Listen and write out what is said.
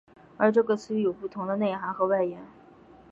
而这个词语有不同的内涵和外延。